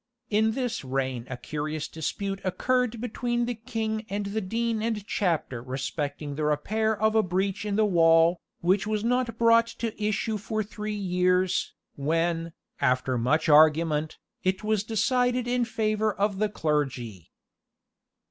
In this reign a curious dispute occurred between the king and the dean and chapter respecting the repair of a breach in the wall, which was not brought to issue for three years, when, after much argument, it was decided in favour of the clergy.